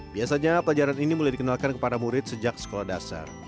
biasanya pelajaran ini mulai dikenalkan kepada murid sejak sekolah dasar